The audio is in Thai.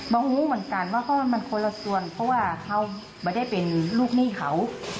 รู้เหมือนกันว่ามันคนละส่วนเพราะว่าเขาไม่ได้เป็นลูกหนี้เขา